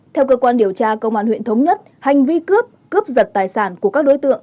theo cơ quan điều tra công an huyện thống nhất hành vi cướp cướp giật tài sản của các đối tượng